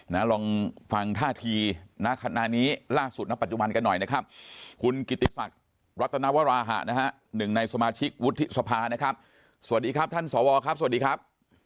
ลองฟังท่าทีณขณะนี้ล่าสุดณปัจจุบันกันหน่อยนะครับคุณกิติศักดิ์รัตนวราหะนะฮะหนึ่งในสมาชิกวุฒิสภานะครับสวัสดีครับท่านสวครับสวัสดีครับ